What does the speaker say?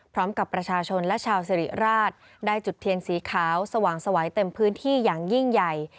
พร้อมกับประชาชนและชาวสิริราชได้จุดเทียนสีขาวสว่างสวัยเต็มพื้นที่อย่างยิ่งใหญ่